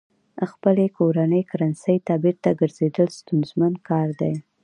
خپلې کورنۍ کرنسۍ ته بېرته ګرځېدل ستونزمن کار دی.